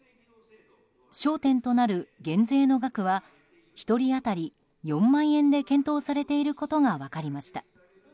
焦点となる減税の額は１人当たり４万円で検討されていることが分かりました。